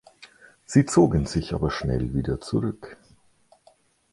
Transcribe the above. Sie zogen sich aber schnell wieder zurück.